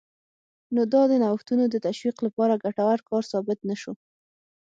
نو دا د نوښتونو د تشویق لپاره ګټور کار ثابت نه شو